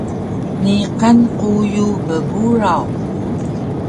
Niqan quyu bburaw